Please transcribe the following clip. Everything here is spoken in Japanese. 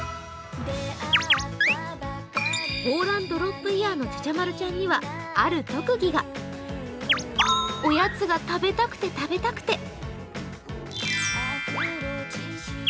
ホーランドロップイヤーのちゃちゃまるちゃんにはある特技がおやつが食べたくて食べたくて。